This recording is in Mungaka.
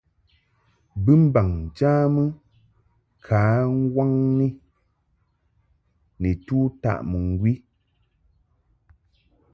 Bɨmbaŋ njamɨ ka nwaŋni nitu taʼ mɨŋgwi.